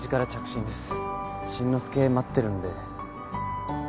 進之介待ってるんで。